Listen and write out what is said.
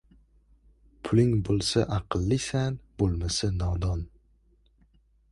• Puling bo‘lsa — aqllisan, bo‘lmasa — nodon.